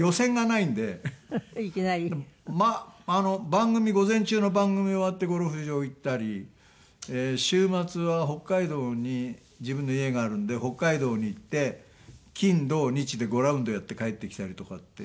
番組午前中の番組終わってゴルフ場行ったり週末は北海道に自分の家があるんで北海道に行って金土日で５ラウンドやって帰ってきたりとかって。